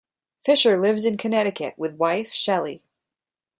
Fisher lives in Connecticut with wife, Shelly.